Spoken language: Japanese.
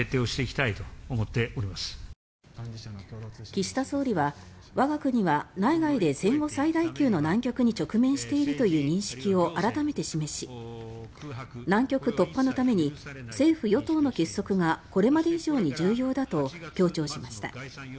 岸田総理は我が国は内外で戦後最大級の難局に直面しているという認識を改めて示し難局突破のために政府・与党の結束がこれまで以上に重要だと強調しました。